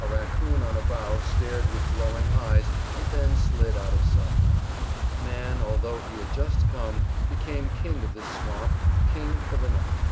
A raccoon on a bough stared with glowing eyes and then slid out of sight. Man, although he had just come, became king of this swamp, king for the night.